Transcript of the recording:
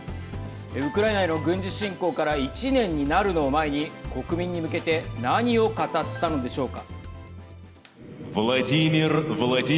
ウクライナへの軍事侵攻から１年になるのを前に国民に向けて何を語ったのでしょうか。